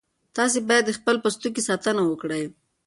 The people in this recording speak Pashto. تاسي باید د خپل پوستکي ساتنه وکړئ.